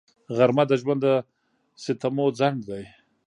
غرمه د ژوند د ستمو ځنډ دی